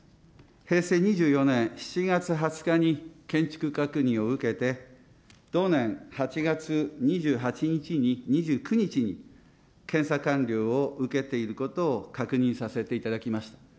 平成２４年７月２０日に建築確認を受けて、同年８月２８日に、２９日に検査完了を受けていることを確認させていただきました。